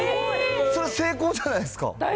それ、成功じゃないですか。